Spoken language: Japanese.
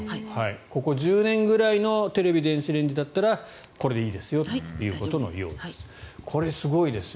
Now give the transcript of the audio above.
ここ１０年ぐらいのテレビ、電子レンジだったらこれでいいですよということです。